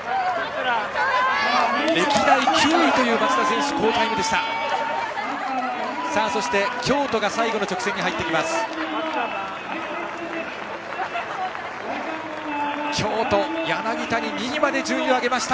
歴代９位という松田選手の好タイムでした。